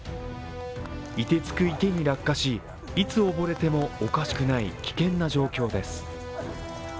凍てつく池に落下し、いつ溺れてもおかしくない危険な状況です。